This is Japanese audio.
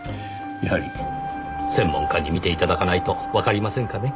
やはり専門家に見ていただかないとわかりませんかね。